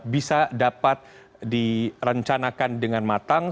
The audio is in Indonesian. bisa dapat direncanakan dengan matang